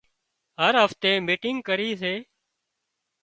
هر هفتي ميٽنگ ڪري سي